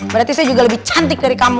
berarti saya juga lebih cantik dari kamu